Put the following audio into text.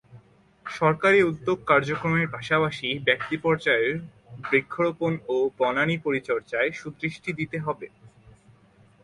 সরকারি উদ্যোগ কার্যক্রমের পাশাপাশি ব্যক্তিপর্যায়েও বৃক্ষরোপণ ও বনানী পরিচর্যায় সুদৃষ্টি দিতে হবে।